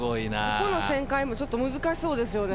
ここの旋回もちょっと難しそうですよね。